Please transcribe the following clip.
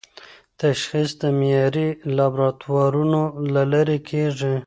تشخیص د معیاري لابراتوارونو له لارې کېږي.